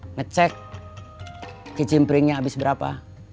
ngecek kicim pringnya habis berapa